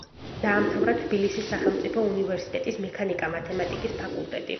დაამთავრა თბილისის სახელმწიფო უნივერსიტეტის მექანიკა-მათემატიკის ფაკულტეტი.